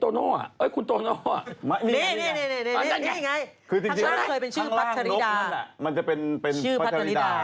อันนี้อย่าง่ายทางล่างเชื่อปัชริดา